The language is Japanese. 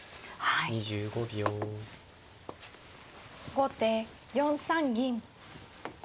後手４三銀。